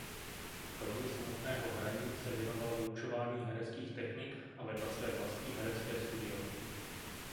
Kromě samotného hraní se věnovala vyučování hereckých technik a vedla své vlastní herecké studio.